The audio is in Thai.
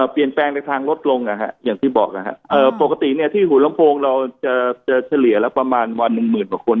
เปลี่ยนแปลงจากทางรถลงค่ะอย่างที่บอกค่ะปกติเนี่ยที่หูลำโพงเราจะเฉลี่ยแล้วประมาณวัน๑๐๐๐๐บาทคน